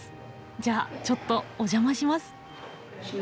じゃあちょっとお邪魔します。